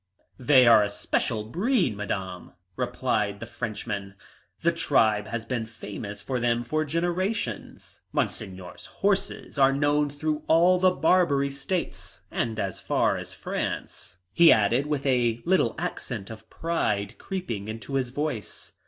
"They are a special breed, Madame," replied the Frenchman. "The tribe has been famous for them for generations. Monseigneur's horses are known through all the Barbary States, and as far as France," he added, with a little accent of pride creeping into his voice.